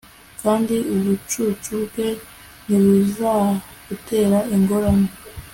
kandi ubucucu bwe ntibuzagutera ingorane